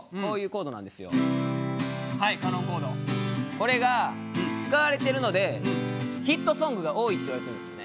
これが使われてるのでヒットソングが多いっていわれてるんですね。